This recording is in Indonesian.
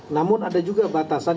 namun ada juga batasan